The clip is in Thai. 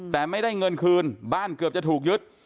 แต่ไม่ได้เงินคืนบ้านเกือบจะถูกยึด